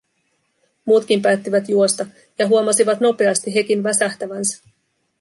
Muutkin päättivät juosta, ja huomasivat nopeasti hekin väsähtävänsä.